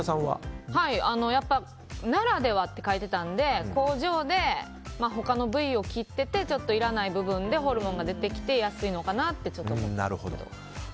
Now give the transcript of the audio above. ならではって書いていたので工場で他の部位を切っててちょっといらない部分でホルモンが出てきて安いのかなってちょっと思って。